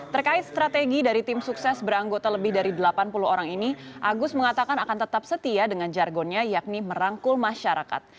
terkait strategi dari tim sukses beranggota lebih dari delapan puluh orang ini agus mengatakan akan tetap setia dengan jargonnya yakni merangkul masyarakat